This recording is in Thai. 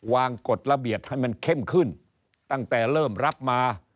กฎระเบียบให้มันเข้มขึ้นตั้งแต่เริ่มรับมา